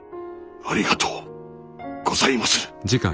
ありがとうございまする。